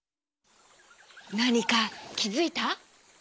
なにかきづいた？